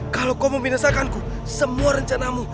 kalau kau membiasakanku semua rencanamu